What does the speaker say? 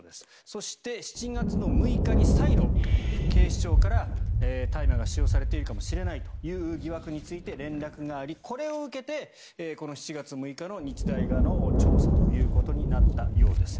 そして、７月６日に再度、警視庁から大麻が使用されているかもしれないという疑惑について連絡がありこれを受けて、７月６日の日大側の調査ということになったようです。